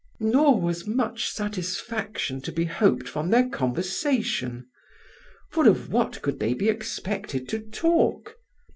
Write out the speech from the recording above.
"Nor was much satisfaction to be hoped from their conversation: for of what could they be expected to talk?